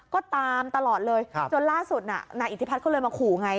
ก็ตามตลอดเลยจนล่าสุดน่ะนายอิทธิพัฒน์ก็เลยมาขู่ไง